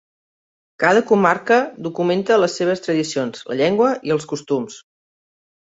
Cada comarca documenta les seves tradicions, la llengua i els costums.